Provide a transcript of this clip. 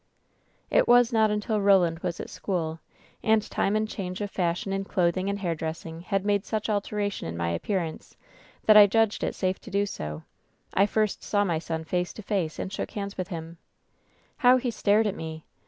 "It was not until Koland was at school, and time and WHEN SHADOWS DIE 2^ change of fashion in clothing and hair dressing had made such alteration in my appearance that I judged it safe to do so, I first saw my son face to face, and shook hands with hiin. How he stared at me!